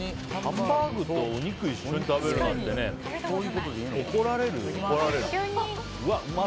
ハンバーグとお肉を一緒に食べるなんて怒られるよ。